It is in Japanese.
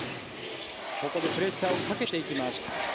ここでプレッシャーをかけていきます。